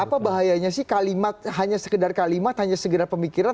apa bahayanya sih kalimat hanya sekedar kalimat hanya sekedar pemikiran